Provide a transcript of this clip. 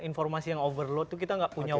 informasi yang overload kita tidak punya